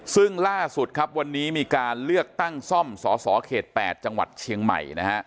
ซึ่งล่าสุดครับวันนี้มีการเลือกตั้งซ่อมสสเขต๘จังหวัดเชียงใหม่นะฮะ